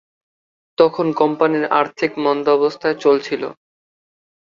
তখন কোম্পানির আর্থিক মন্দাবস্থায় চলছিল।